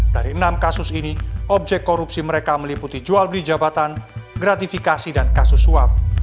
dari enam kasus ini objek korupsi mereka meliputi jual beli jabatan gratifikasi dan kasus suap